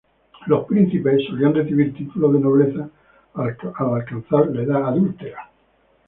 Los príncipes solían recibir títulos de nobleza al alcanzar la edad adulta.